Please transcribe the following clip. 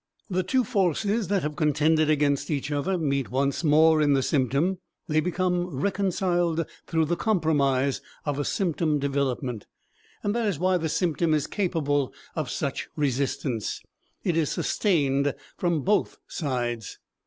The two forces that have contended against each other meet once more in the symptom; they become reconciled through the compromise of a symptom development. That is why the symptom is capable of such resistance; it is sustained from both sides.